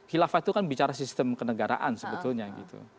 khilafah itu kan bicara sistem kenegaraan sebetulnya gitu